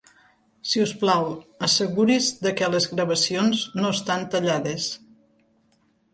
Si us plau, asseguris de que les gravacions no estan tallades.